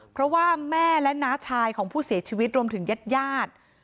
เพราะว่าแม่และน้าชายของผู้เสียชีวิตรวมถึงญาติญาติ